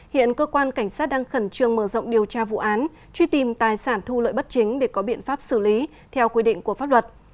hiện cơ quan cảnh sát đang khẩn trương mở rộng điều tra vụ án truy tìm tài sản thu lợi bất chính để có biện pháp xử lý theo quy định của pháp luật